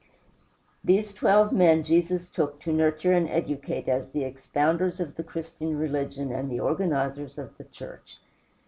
These twelve men Jesus took to nurture and educate as the expounders of the Christian religion and the organizers of the church.